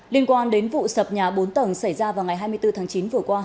liên quan đến vụ sập nhà bốn tầng xảy ra vào ngày hai mươi bốn tháng chín vừa qua